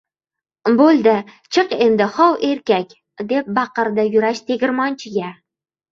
– Boʻldi, chiq endi, hov, erkak! – deb baqirdi Yurash tegirmonchiga.